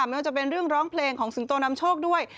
ไม่ว่าจะเป็นเรื่องร้องเพลงของสิงโตนำโชคด้วย